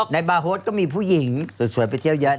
บาร์โฮสก็มีผู้หญิงสวยไปเที่ยวเยอะ